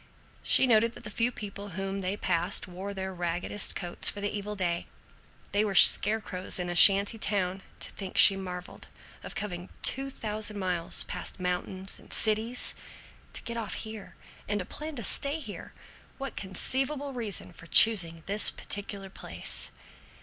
She noted that the few people whom they passed wore their raggedest coats for the evil day. They were scarecrows in a shanty town. ... "To think," she marveled, "of coming two thousand miles, past mountains and cities, to get off here, and to plan to stay here! What conceivable reason for choosing this particular place?"